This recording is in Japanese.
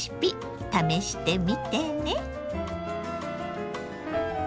試してみてね。